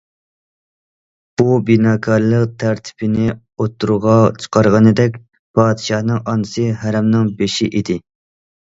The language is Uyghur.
بۇ بىناكارلىق تەرتىپىنى ئوتتۇرىغا چىقارغىنىدەك، پادىشاھنىڭ ئانىسى ھەرەمنىڭ بېشى ئىدى.